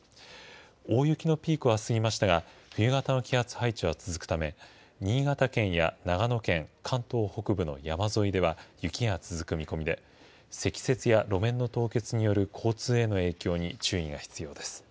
大雪のピークは過ぎましたが、冬型の気圧配置は続くため、新潟県や長野県、関東北部の山沿いでは雪が続く見込みで、積雪や路面の凍結による交通への影響に注意が必要です。